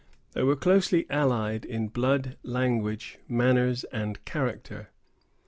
They were closely allied in blood, language, manners and character.